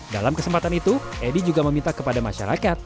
dalam kesempatan itu edi juga meminta kepada masyarakat